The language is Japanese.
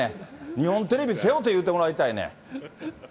日本テレビ背負って言うてもらいたいねん。